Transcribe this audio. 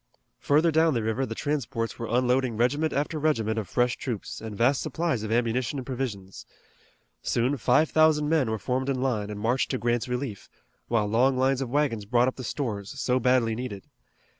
Further down the river the transports were unloading regiment after regiment of fresh troops, and vast supplies of ammunition and provisions. Soon five thousand men were formed in line and marched to Grant's relief, while long lines of wagons brought up the stores so badly needed.